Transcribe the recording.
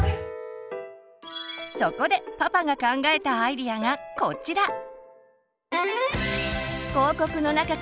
そこでパパが考えたアイデアがこちら！